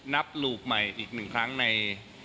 ลูกใหม่อีกหนึ่งครั้งใน